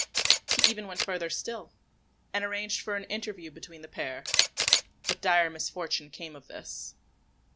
He even went further still, and arranged for an interview between the pair; but dire misfortune came of this.